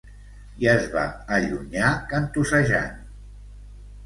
I es va allunyar cantussejant.